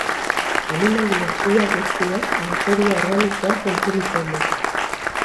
Animalia Ia guztiek materia organikoa kontsumitzen dute.